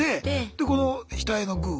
でこの額のグーは？